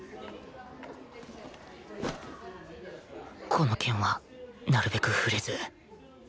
この件はなるべく触れず